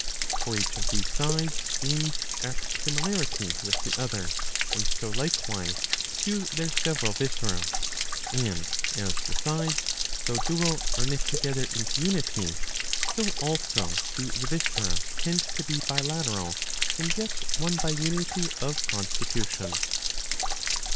''' For each of these sides aims at similarity with the other, and so likewise do their several viscera ; and as the sides, though dual, are knit together into unity, so also do the viscera tend to be bilateral and yet one by unity of constitution.